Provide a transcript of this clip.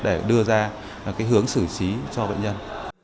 để đưa ra hướng xử trí cho bệnh nhân